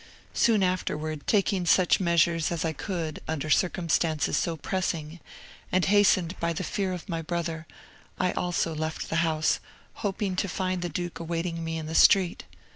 Soon afterwards, taking such measures as I could under circumstances so pressing, and hastened by the fear of my brother, I also left the house, hoping to find the duke awaiting me in the street.